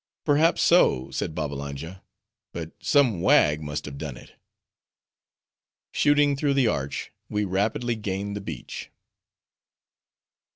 "Perhaps so," said Babbalanja, "but some wag must have done it." Shooting through the arch, we rapidly gained the beach.